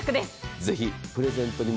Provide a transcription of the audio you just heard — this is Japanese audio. ぜひプレゼントにも。